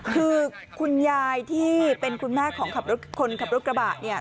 คือคุณยายที่เป็นคุณแม่ของคนขับรถกระบะเนี่ย